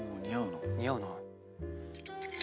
似合うな。